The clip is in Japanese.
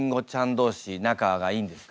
同士仲がいいんですか？